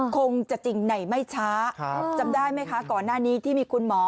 คงจะจริงไหนไม่ช้าจำได้ไหมคะก่อนหน้านี้ที่มีคุณหมอ